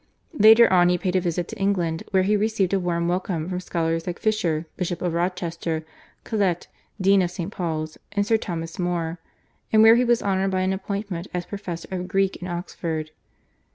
Later on he paid a visit to England, where he received a warm welcome from scholars like Fisher, Bishop of Rochester, Colet, Dean of St. Paul's, and Sir Thomas More, and where he was honoured by an appointment as Professor of Greek in Oxford.